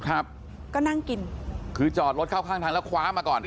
ครับก็นั่งกินคือจอดรถเข้าข้างทางแล้วคว้ามาก่อน